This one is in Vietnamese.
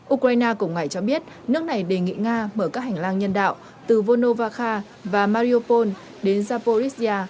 ukraine cùng ngày cho biết nước này đề nghị nga mở các hành lang nhân đạo từ volnovakha và mauriopol đến zaporizhia